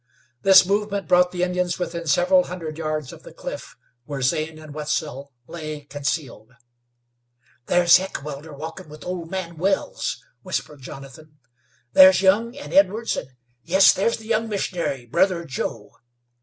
This movement brought the Indians within several hundred yards of the cliff where Zane and Wetzel lay concealed. "There's Heckewelder walking with old man Wells," whispered Jonathan. "There's Young and Edwards, and, yes, there's the young missionary, brother of Joe.